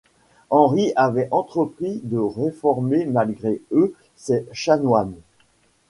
Henri avait entrepris de réformer, malgré eux, ses chanoines.